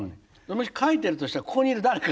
もし書いてるとしたらここにいる誰か。